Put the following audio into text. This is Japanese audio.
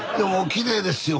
きれいですよ